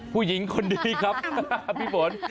ผู้หญิงคนนี้ครับพี่ฝน